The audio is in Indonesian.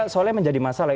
soalnya menjadi masalah